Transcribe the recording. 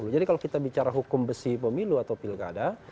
jadi kalau kita bicara hukum besi pemilu atau pilgada